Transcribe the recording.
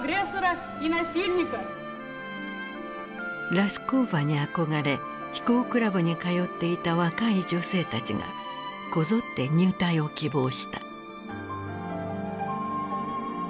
ラスコーヴァに憧れ飛行クラブに通っていた若い女性たちがこぞって入隊を希望した。